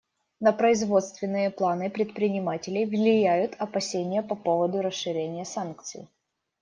На производственные планы предпринимателей влияют опасения по поводу расширения санкций.